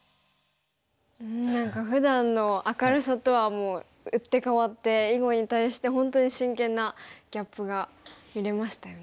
何かふだんの明るさとはもう打って変わって囲碁に対して本当に真剣なギャップが見れましたよね。